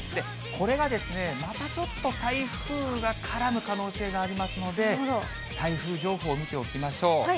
これがまたちょっと台風が絡む可能性がありますので、台風情報見ておきましょう。